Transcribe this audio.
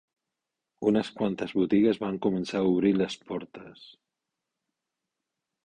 Unes quantes botigues van començar a obrir les portes